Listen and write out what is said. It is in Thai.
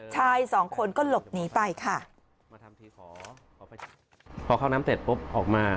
ชายสองคนก็หลบหนีไปค่ะมาทำทีขอพอเข้าน้ำเสร็จปุ๊บออกมา